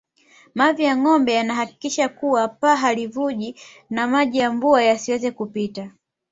Mavi ya ngombe yanahakikisha kuwa paa halivuji na maji ya mvua yasiweze kupita